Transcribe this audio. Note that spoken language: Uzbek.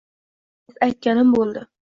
Ko`rdingiz aytganim bo`ldi